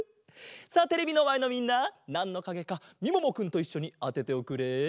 さあテレビのまえのみんななんのかげかみももくんといっしょにあてておくれ。